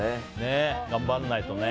頑張らないとね。